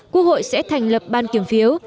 quốc hội sẽ thành lập ban kiểm phiếu